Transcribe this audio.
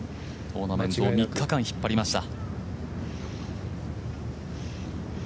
トーナメントを３日間引っ張りました。